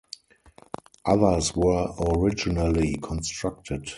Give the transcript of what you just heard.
Others were originally constructed.